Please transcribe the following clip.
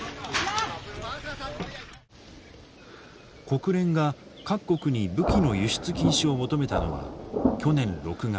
国連が各国に武器の輸出禁止を求めたのは去年６月。